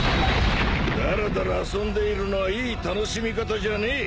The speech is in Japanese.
だらだら遊んでいるのはいい楽しみ方じゃねえ。